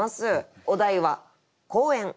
お題は「公園」。